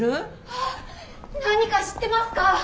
あっ何か知ってますか？